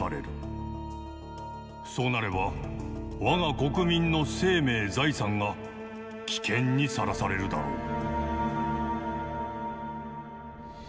そうなれば我が国民の生命・財産が危険にさらされるだろう」。